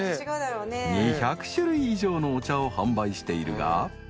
［２００種類以上のお茶を販売しているが］